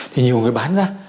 thì nhiều người bán ra